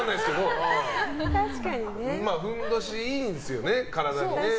ふんどしいいんですよね、体にね。